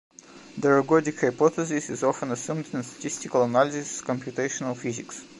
The ergodic hypothesis is often assumed in the statistical analysis of computational physics.